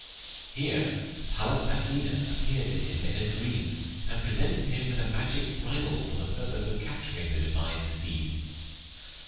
Here Pallas Athene appeared to him in a dream, and presented him with a magic bridle for the purpose of capturing the divine steed.